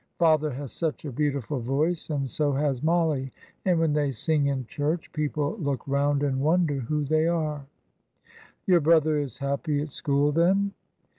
Father has such a beautiful voice, and so has Mollie, and when they sing in church, people look round and wonder who they are." "Your brother is happy at school, then?"